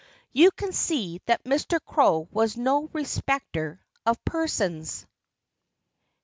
You can see that Mr. Crow was no respecter of persons.